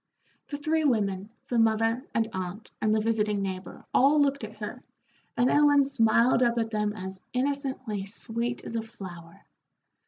The three women, the mother, and aunt, and the visiting neighbor, all looked at her, and Ellen smiled up at them as innocently sweet as a flower.